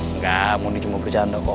engga mondi cuma bercanda kok